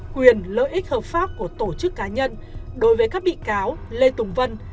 quyền lợi ích hợp pháp của tổ chức cá nhân đối với các bị cáo lê tùng vân